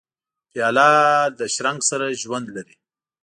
پیاله له شرنګ سره ژوند لري.